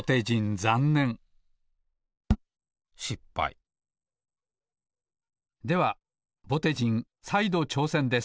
ざんねんではぼてじんさいどちょうせんです！